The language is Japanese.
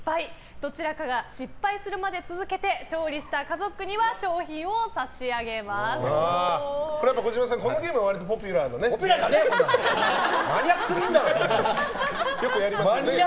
どちらかが失敗するまで続けて勝利した家族には児嶋さん、このゲームはポピュラーじゃねえよ！